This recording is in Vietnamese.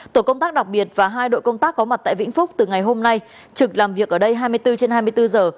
tổ công tác đặc biệt và hai đội công tác có mặt tại vĩnh phúc từ ngày hôm nay trực làm việc ở đây hai mươi bốn trên hai mươi bốn giờ